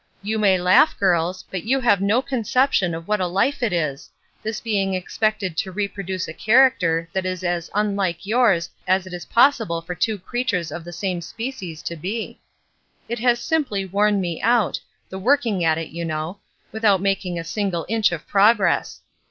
You may laugh, girls, but you have no conception of what a life it is — this being expected to reproduce a character that is as vinlike yours as it is pos sible for two creatures of the same species to be. It has simply worn me out, the working at it, you know, without making a single inch of progress.